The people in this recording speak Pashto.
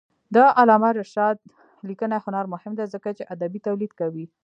د علامه رشاد لیکنی هنر مهم دی ځکه چې ادبي تولید کوي.